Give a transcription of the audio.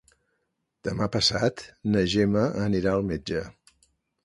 Demà passat na Gemma anirà al metge.